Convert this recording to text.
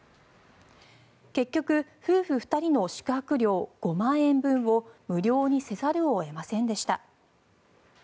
結局夫婦２人の宿泊料５万円分を無料にせざるを得ませんでした。